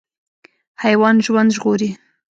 حیوان ژوند ژغوري.